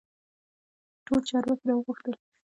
ټول چارواکي را وغوښتل.